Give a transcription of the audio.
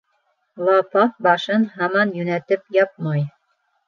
Лапаҫ башын һаман йүнәтеп япмай.